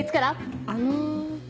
あの。